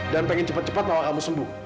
dan pengen cepat cepat bawa kamu sembuh